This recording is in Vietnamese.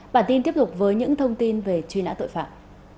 bản tin tiếp tục với những thông tin về truy nã tội phạm